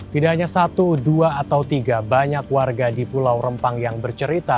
tidak hanya satu dua atau tiga banyak warga di pulau rempang yang bercerita